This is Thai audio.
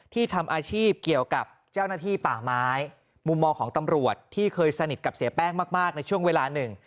ทำอาชีพเกี่ยวกับเจ้าหน้าที่ป่าไม้มุมมองของตำรวจที่เคยสนิทกับเสียแป้งมากในช่วงเวลาหนึ่ง